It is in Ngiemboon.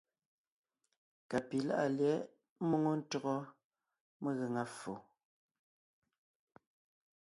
Ka pi láʼa lyɛ̌ʼ ḿmoŋo ntÿɔgɔ megaŋa ffo.